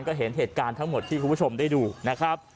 ก็เห็นเหตุการณ์ทั้งหมดที่คุณผู้ชมได้ดูนะครับ